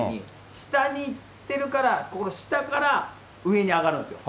下に行ってるから、下から上に上がるんですよ。